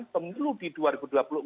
pemilu di dua ribu dua puluh empat